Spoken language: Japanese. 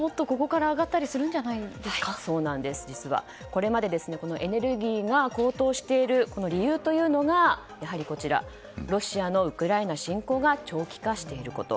これまでエネルギーが高騰している理由というのがロシアのウクライナ侵攻が長期化していること。